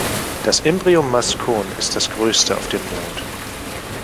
Das Imbrium mascon ist das größte auf dem Mond.